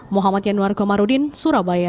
muhammad yanuar komarudin surabaya